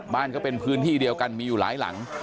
ก็เป็นพื้นที่เดียวกันมีอยู่หลายหลัง